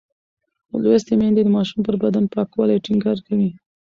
لوستې میندې د ماشوم پر بدن پاکوالی ټینګار کوي.